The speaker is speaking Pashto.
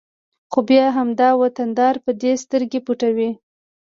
خو بیا همدا وطنداران په دې سترګې پټوي